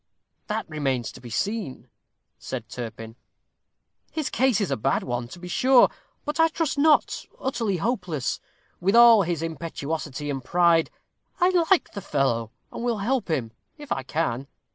"That remains to be seen," said Turpin. "His case is a bad one, to be sure, but I trust not utterly hopeless. With all his impetuosity and pride, I like the fellow, and will help him, if I can.